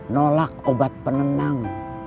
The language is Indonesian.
nolak obat penenang